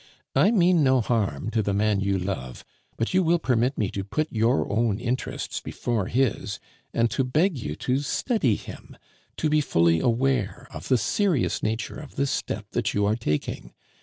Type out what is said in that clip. I mean no harm to the man you love, but you will permit me to put your own interests before his, and to beg you to study him, to be fully aware of the serious nature of this step that you are taking.